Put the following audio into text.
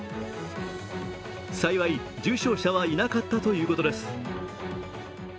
幸い重傷者はいなかったということです。